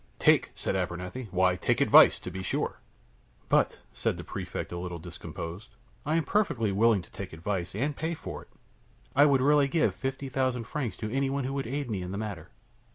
"'Take!' said Abernethy. 'Why, take advice, to be sure.'" "But," said the Prefect, a little discomposed, "I am perfectly willing to take advice, and to pay for it. I would really give fifty thousand francs to any one who would aid me in the matter."